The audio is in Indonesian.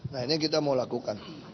nah ini yang kita mau lakukan